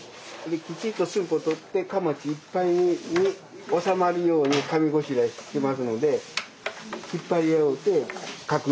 きちっと寸法取って框いっぱいに収まるように紙ごしらえしてますので引っ張り合うと確認しながら。